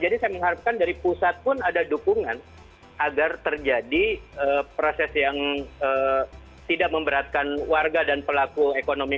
jadi saya mengharapkan dari pusat pun ada dukungan agar terjadi proses yang tidak memberatkan warga dan pelaku ekonomi